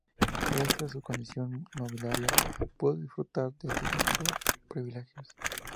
Gracias a su condición nobiliaria pudo disfrutar de ciertos privilegios.